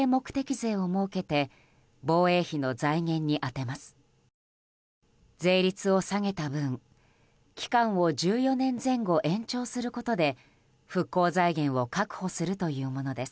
税率を下げた分、期間を１４年前後、延長することで復興財源を確保するというものです。